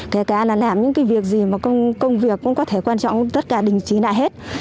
kể cả là làm những cái việc gì mà công việc cũng có thể quan trọng tất cả đình trí lại hết